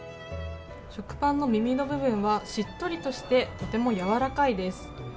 食パンの耳の部分はしっとりとして、とても柔らかいです。